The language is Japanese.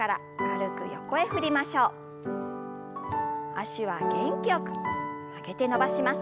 脚は元気よく曲げて伸ばします。